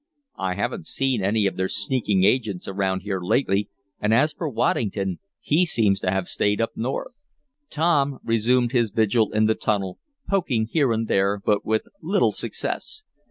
I haven't seen any of their sneaking agents around here lately, and as for Waddington he seems to have stayed up North." Tom resumed his vigil in the tunnel, poking here and there, but with little success.